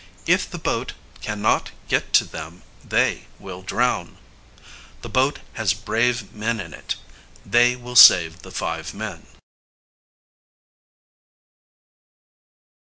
If the boat can not get to them, they will drown. The boat has brave men in it. They will save the five men.